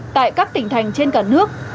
tại các tỉnh thành trên cả nước